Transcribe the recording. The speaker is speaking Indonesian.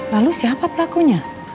lalu siapa pelakunya